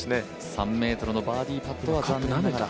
３ｍのバーディーパットは残念ながら。